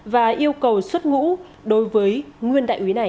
và yêu cầu xuất ngũ đối với nguyên đại úy này